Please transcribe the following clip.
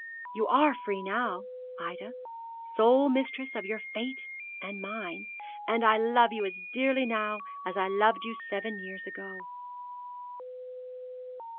You are free now, Ida, sole mistress of your fate and mine; and I love you as dearly now as I loved you seven years ago.